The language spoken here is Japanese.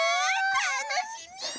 たのしみ！